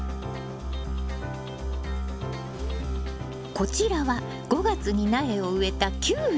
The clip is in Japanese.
こちらは５月に苗を植えたキュウリ。